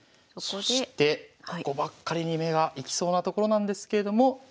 そしてここばっかりに目が行きそうなところなんですけれども。